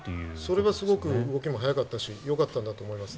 それはすごく動きも速かったしよかったんだと思います。